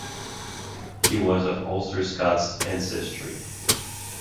He was of Ulster Scots ancestry.